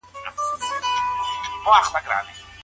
ژورناليزم د ولس سترګې دي.